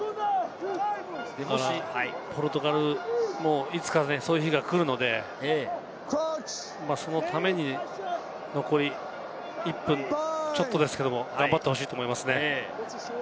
ポルトガルもいつかそういう日が来るのでそのために残り１分ちょっとですけれども頑張ってほしいと思いますね。